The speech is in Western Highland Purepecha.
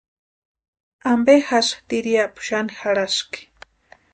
¿Ampe jásï tiriapu xani jarhaski?